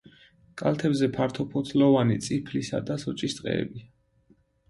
კალთებზე ფართოფოთლოვანი წიფლისა და სოჭის ტყეებია.